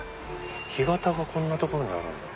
干潟がこんな所にあるんだ。